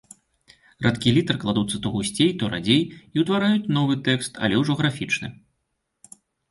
Радкі літар кладуцца то гусцей, то радзей, і ўтвараюць новы тэкст, але ўжо графічны.